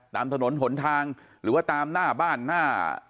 ตามถนนหนทางหรือว่าตามหน้าบ้านหน้า